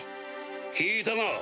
聞いたな？